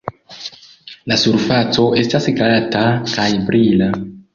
La surfaco estas glata kaj brila.